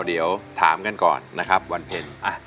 เดี๋ยวถามกันก่อนนะครับวันเพ็ญ